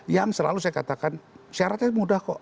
yang selalu saya katakan syaratnya mudah kok